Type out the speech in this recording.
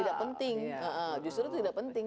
tidak penting justru itu tidak penting